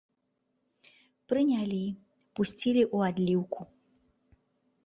Прынялі, пусцілі ў адліўку.